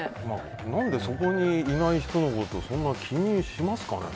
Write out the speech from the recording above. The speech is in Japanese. そこにいない人のことをそんなに気にしますかね？